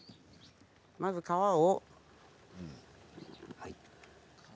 まず皮を。